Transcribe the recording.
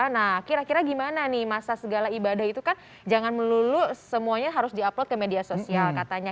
nah kira kira gimana nih masa segala ibadah itu kan jangan melulu semuanya harus di upload ke media sosial katanya